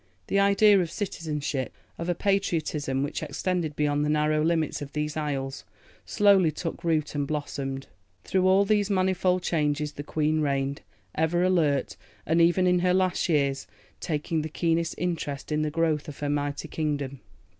The idea of citizenship, of a patriotism which extended beyond the narrow limits of these isles, slowly took root and blossomed. Through all these manifold changes the Queen reigned, ever alert, and even in her last years taking the keenest interest in the growth of her mighty kingdom.